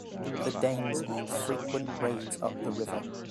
The Danes made frequent raids up the river.